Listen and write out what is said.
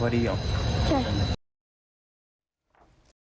ยิ่งทุกวัน